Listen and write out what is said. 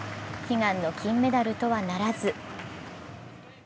悲願の金メダルとはならず。